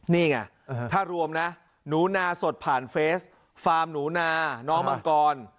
นี่ไงถ้ารวมนะหนูนาสดผ่านเฟสฟาร์มหนูนาน้องมังกร